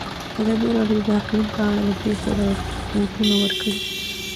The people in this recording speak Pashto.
ازادي راډیو د اقلیم په اړه د پېښو رپوټونه ورکړي.